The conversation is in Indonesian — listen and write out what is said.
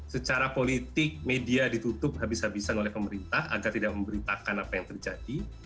secara politik media ditutup habis habisan oleh pemerintah agar tidak memberitakan apa yang terjadi